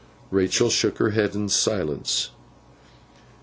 Rachael shook her head in silence.